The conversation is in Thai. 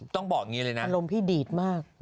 ต้องบอกอย่างนี้เลยนะอารมณ์พี่ดีดมาก